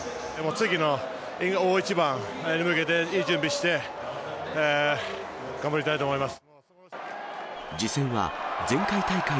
次の大一番に向けて、いい準備して、頑張りたいと思います。